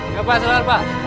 iya pak selamat